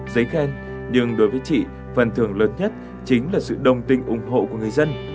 giấy khen nhưng đối với chị phần thưởng lớn nhất chính là sự đồng tình ủng hộ của người dân